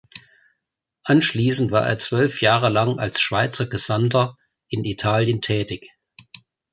Anschliessend war er zwölf Jahre lang als Schweizer Gesandter in Italien tätig.